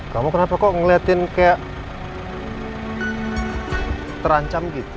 kamu kenapa kok ngeliatin kayak terancam gitu